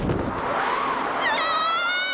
うわ！